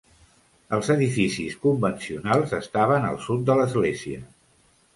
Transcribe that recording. Els edificis convencionals estaven al sud de l'església.